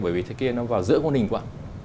bởi vì cái kia nó vào giữa quân hình quá